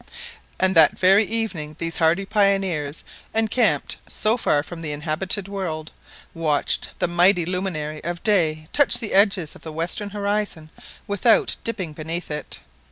And that very evening these hardy pioneers, encamped so far from the inhabited world, watched the mighty luminary of day touch the edges of the western horizon without dipping beneath it.